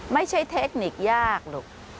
ไม่ใช่เทคนิคยากหรอก